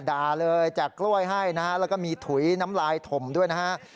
ด่าเลยแจกกล้วยให้นะฮะแล้วก็มีถุยน้ำลายถมด้วยนะฮะ